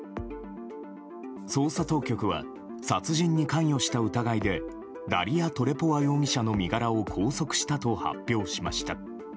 捜査当局は殺人に関与した疑いでダリヤ・トレポワ容疑者の身柄を拘束したと発表しました。